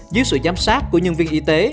dưới sự giám sát của nhân viên y tế